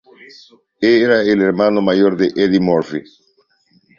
Era el hermano mayor de Eddie Murphy.